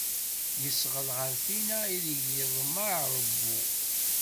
Yesɣel ɣer tinna ideg yeḍmeɛ ṛewwu.